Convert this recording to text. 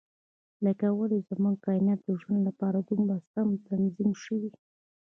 لکه ولې زموږ کاینات د ژوند لپاره دومره سم تنظیم شوي.